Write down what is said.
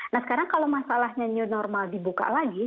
nah sekarang kalau masalahnya new normal dibuka lagi